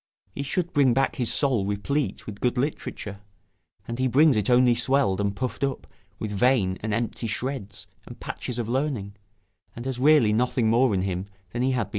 He should bring back his soul replete with good literature, and he brings it only swelled and puffed up with vain and empty shreds and patches of learning; and has really nothing more in him than he had before.